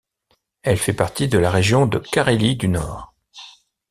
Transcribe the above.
Elle fait partie de la région de Carélie du Nord.